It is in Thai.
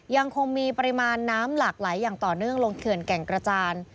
ยังคงมีปริมาณน้ำหลากไหลอย่างต่อเนื่องลงเขื่อนแก่งกระจาน